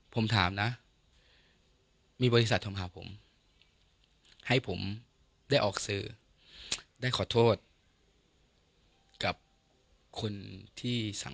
ผมถามนะมีบริษัทโทรหาผมให้ผมได้ออกสื่อได้ขอโทษกับคนที่สั่ง